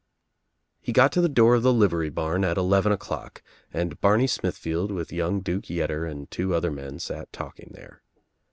He got to the door of the livery barn at eleven o'clock and Barney Smithfield with young Duke Yetter and two other men sat talking there.